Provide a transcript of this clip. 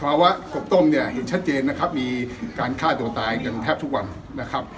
เพราะว่ากบต้มเห็นชัดเจนนะครับมีการฆ่าตัวตายเป็นแทบทุกวันนะครับ